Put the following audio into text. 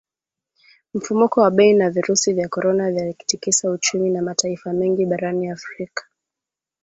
Mfumuko wa Bei na virusi vya Korona vya tikisa uchumi wa mataifa mengi barani Afrika